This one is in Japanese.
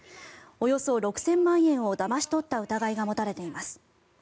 およそ６０００万円をだまし取った疑いが持たれています。